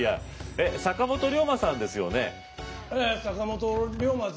えっ坂本龍馬さんですよね？